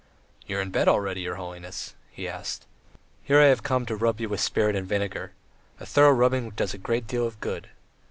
"You are in bed already, your holiness?" he asked. "Here I have come to rub you with spirit and vinegar. A thorough rubbing does a great deal of good.